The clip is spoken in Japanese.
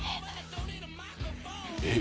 えっ？